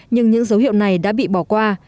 nhưng những dấu hiệu này đã bị bỏ qua